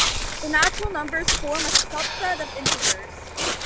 The natural numbers form a subset of the integers.